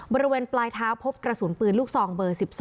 บริเวณปลายเท้าพบกระสุนปืนลูกซองเบอร์๑๒